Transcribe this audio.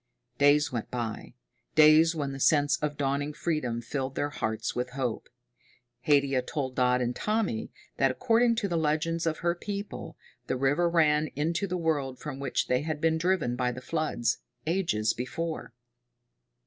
Days went by, days when the sense of dawning freedom filled their hearts with hope. Haidia told Dodd and Tommy that, according to the legends of her people, the river ran into the world from which they had been driven by the floods, ages before.